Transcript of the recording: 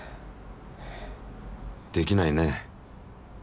できないね。